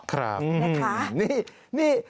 ครับอืมนะคะนี่